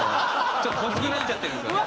ちょっと欲しくなっちゃってるんですよね。